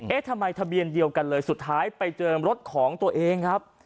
ทำไมทะเบียนเดียวกันเลยสุดท้ายไปเจอรถของตัวเองครับ